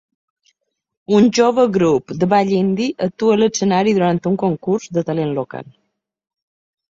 Un jove grup de ball indi actua a l'escenari durant un concurs de talent local.